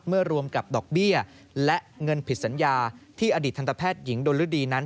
รวมกับดอกเบี้ยและเงินผิดสัญญาที่อดีตทันตแพทย์หญิงดนฤดีนั้น